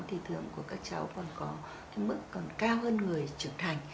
thì thường của các cháu còn có mức còn cao hơn người trưởng thành